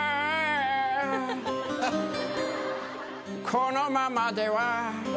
「このままでは」